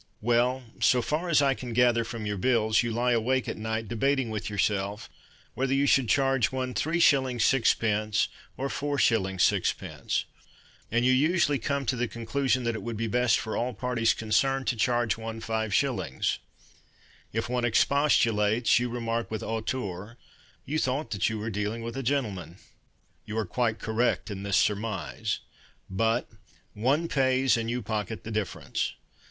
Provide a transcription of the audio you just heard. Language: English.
Well, So far as I can gather from your bills, You lie awake at night Debating with yourself Whether you should charge one 3s. 6d. or 4s. 6d. And you usually come to the conclusion That it will be best For all parties concerned To charge one 5s. If one expostulates, You remark With hauteur That you thought you were dealing with a gentleman. You are quite correct in this surmise. But One pays, And you pocket the difference.